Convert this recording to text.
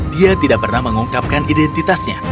dia tidak pernah mengungkapkan identitasnya